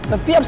oh ya kan